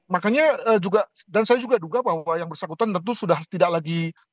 makanya juga dan saya juga duga bahwa yang bersangkutan tentu sudah tidak lagi